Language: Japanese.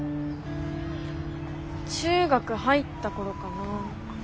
中学入った頃かな。